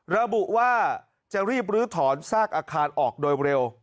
ระบุว่าจะรีบลื้อถอนซากอาคารออกโดยเร็ว